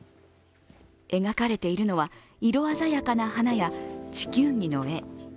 描かれているのは色鮮やかな花や地球儀の絵。